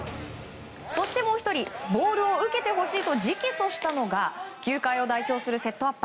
そしてもう１人ボールを受けてほしいと直訴したのが球界を代表するセット